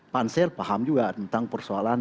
pansel paham juga tentang persoalan